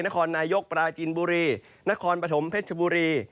นครนายกปราจินบุรีนครปฐมเพชรบุรี